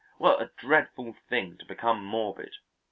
what a dreadful thing to become morbid!